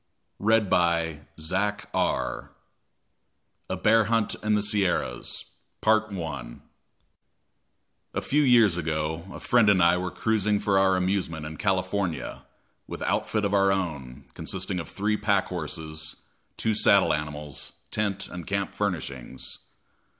Henry T. Allen. A Bear Hunt in the Sierras A few years ago, a friend and I were cruising for our amusement in California, with outfit of our own, consisting of three pack horses, two saddle animals, tent and camp furnishings.